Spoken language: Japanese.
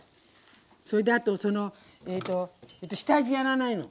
それであと下味やらないの。